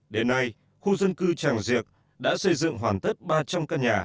đến nay khu dân cư tràng diệc đã xây dựng hoàn tất ba trăm linh căn nhà